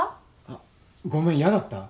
あっごめん嫌だった？